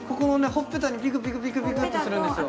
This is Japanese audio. ほっぺたにピクピクピクピクっとするんですよ